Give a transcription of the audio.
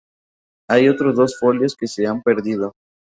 Hay otros dos folios que se han perdido.